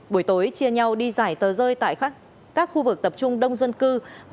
buổi tối chia nhau đi giải tờ rơi tại các khu vực tập trung đông dân cư